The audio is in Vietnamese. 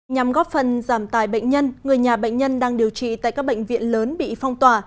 nhằm góp phần giảm tài bệnh nhân người nhà bệnh nhân đang điều trị tại các bệnh viện lớn bị phong tỏa